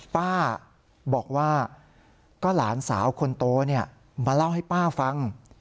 ป้าบอกว่าก็หลานสาวคนโตมาเล่าให้ป้าฟัง